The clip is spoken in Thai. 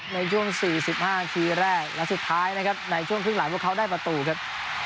ในช่วง๔๕นาทีแรกและสุดท้ายนะครับในช่วงครึ่งหลังพวกเขาได้ประตูครับ